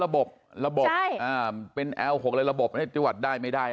ระบบระบบใช่อ่าเป็นแอลหกอะไรระบบอันนี้จิวัตรได้ไม่ได้